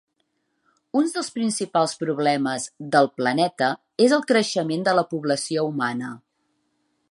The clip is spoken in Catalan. Un dels principals problemes del planeta és el creixement de la població humana.